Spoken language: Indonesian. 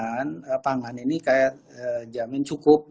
ya untuk ketersediaan bahan pangan ini kayak jamin cukup